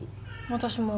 私も。